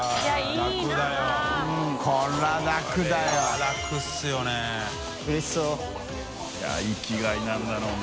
圍函いや生きがいなんだろうな。